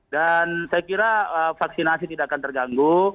dan saya kira vaksinasi tidak akan terganggu